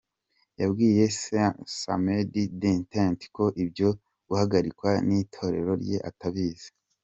Yabwiye Samedi Détente ko ibyo guhagarikwa n’itorero rye atabizi.